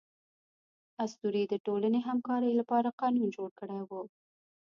اسطورې د ټولنې همکارۍ لپاره قانون جوړ کړی و.